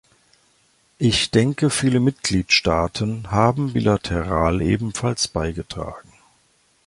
Ich denke, viele Mitgliedstaaten haben bilateral ebenfalls beigetragen.